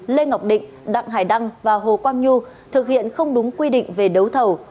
lê ngọc định đặng hải đăng và hồ quang nhu thực hiện không đúng quy định về đấu thầu